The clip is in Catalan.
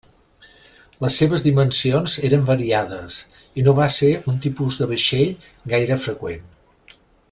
Les seves dimensions eren variades i no va ser un tipus de vaixell gaire freqüent.